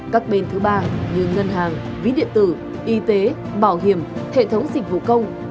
các bên thứ ba như ngân hàng ví điện tử y tế bảo hiểm hệ thống dịch vụ công